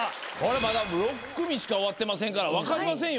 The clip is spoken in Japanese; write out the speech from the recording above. まだ６組しか終わってませんから分かりませんよ